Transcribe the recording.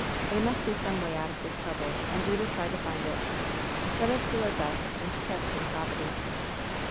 There must be some way out of this trouble, and we will try to find it. Let us do our best and trust in Providence."